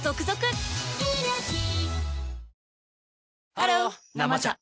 ハロー「生茶」